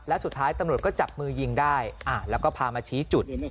และสุดท้ายตำรวจก็จับมือยิงได้แล้วก็พามาชี้จุด